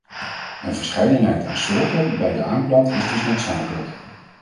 Een verscheidenheid aan soorten bij de aanplant is dus noodzakelijk.